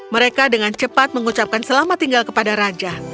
mereka dengan cepat mengucapkan selamat tinggal kepada raja